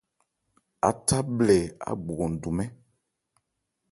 Átha bhlɛ ágbogɔn dumɛ́n.